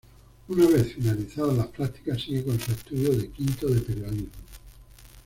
Una vez finalizadas las prácticas sigue con sus estudios de quinto de Periodismo.